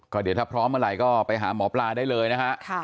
เดี๋ยวถ้าพร้อมเมื่อไหร่ก็ไปหาหมอปลาได้เลยนะฮะ